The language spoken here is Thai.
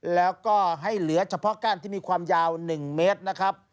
แล้วก็ให้เหลือเฉพาะก้านที่มีความยาว๑เมตรนะครับ